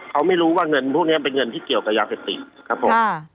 เขาไม่รู้ว่าเงินพวกนี้เป็นเงินที่เกี่ยวกับยาเสพติดครับผม